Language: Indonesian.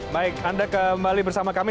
baik anda kembali bersama kami